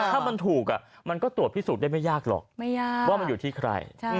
ถ้ามันถูกมันก็ตรวจพิสูจน์ได้ไม่ยากหรอกว่ามันอยู่ที่ใคร